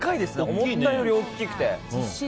思ったより大きくて。